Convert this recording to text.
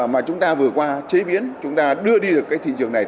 mà chúng ta vừa qua chế biến chúng ta đưa đi được cái thị trường này